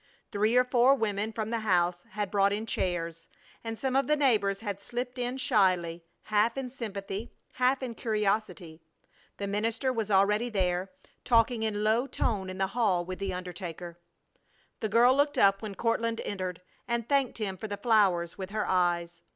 Three or four women from the house had brought in chairs, and some of the neighbors had slipped in shyly, half in sympathy, half in curiosity. The minister was already there, talking in a low tone in the hall with the undertaker. The girl looked up when Courtland entered and thanked him for the flowers with her eyes.